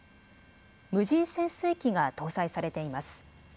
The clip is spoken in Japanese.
無人潜水機が搭載されています。